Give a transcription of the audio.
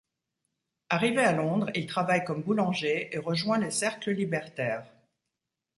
Arrivé à Londres, il travaille comme boulanger et rejoint les cercles libertaires.